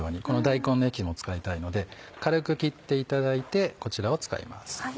この大根の液も使いたいので軽く切っていただいてこちらを使います。